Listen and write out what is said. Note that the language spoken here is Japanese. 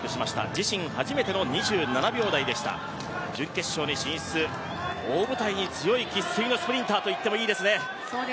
自身初めての２７秒台でした、準決勝に進出、大舞台に強い生っ粋のスプリンターと言ってもいいですね。